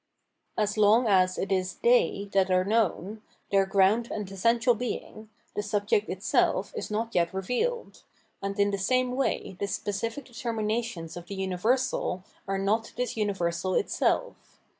As long as it is they that are known, their ground and essential being, the Subject itself is not yet revealed , and in the same way the specific determinations of the universal are not this universal itself.